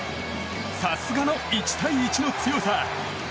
さすがの１対１の強さ。